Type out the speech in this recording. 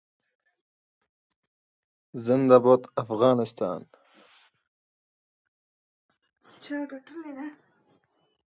Richard Bulstrode was born at Astley, Warwickshire, and educated at Pembroke College, Cambridge.